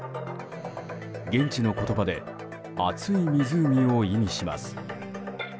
現地の言葉で熱い湖を意味します。